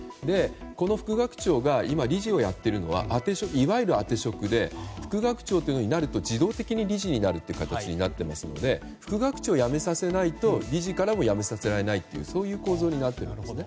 この副学長が今、理事をやっているのはいわゆる、あて職で副学長となると自動的に理事になるという形になりますので副学長を辞めさせないと理事からも辞めさせられないという構図になっていると思うんですね。